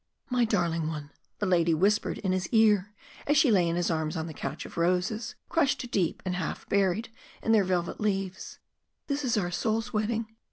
"My darling one," the lady whispered in his ear, as she lay in his arms on the couch of roses, crushed deep and half buried in their velvet leaves, "this is our souls' wedding.